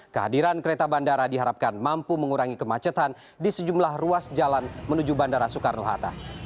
kehadiran kereta bandara diharapkan mampu mengurangi kemacetan di sejumlah ruas jalan menuju bandara soekarno hatta